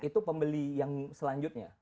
itu pembeli yang selanjutnya